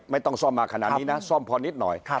ไม่ต้องซ่อมมาขนาดนี้นะซ่อมพอนิดหน่อย